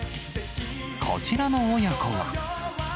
こちらの親子は。